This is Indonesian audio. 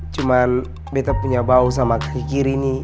cuman bete punya bau sama kaki kiri nih